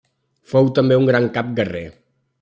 Fou també un gran cap guerrer.